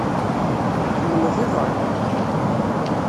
Tḥemmleḍ iḍan?